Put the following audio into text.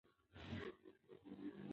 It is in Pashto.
ځینې وختونه ځمکې ته نږدې اسټروېډونه مهم وي.